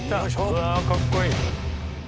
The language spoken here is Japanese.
うわかっこいい。